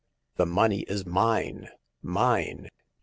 The money is mine ! mine